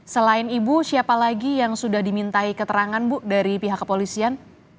selain ibu siapa lagi yang sudah dimintai keterangan bu dari pihak kepolisian